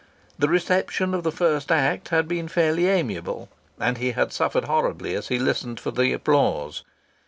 The reception of the first act had been fairly amiable, and he had suffered horribly as he listened for the applause.